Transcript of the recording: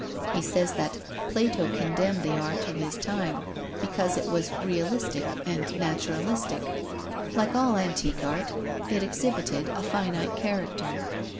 He says that Plato condemned the art of his time, because it was realistic and naturalistic: like all antique art, it exhibited a finite character.